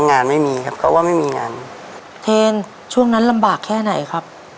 งานไม่มีครับเขาว่าไม่มีงานเทนช่วงนั้นลำบากแค่ไหนครับ